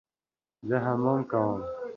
زه حمام کوم